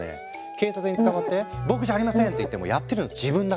警察に捕まって「ボクじゃありません！」って言ってもやってるの自分だから。